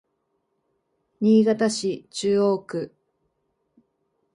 新潟市中央区